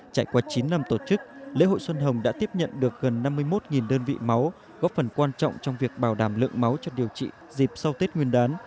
trải qua chín năm tổ chức lễ hội xuân hồng đã tiếp nhận được gần năm mươi một đơn vị máu góp phần quan trọng trong việc bảo đảm lượng máu cho điều trị dịp sau tết nguyên đán